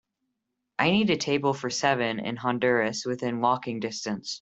I need a table for seven in Honduras within walking distance